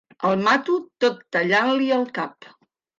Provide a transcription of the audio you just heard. El mato tot tallant-li el cap.